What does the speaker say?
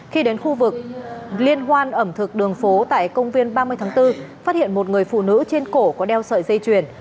khi đến khu vực liên hoan ẩm thực đường phố tại công viên ba mươi tháng bốn phát hiện một người phụ nữ trên cổ có đeo sợi dây chuyền